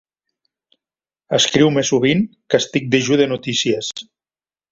Escriu-me sovint, que estic dejú de notícies.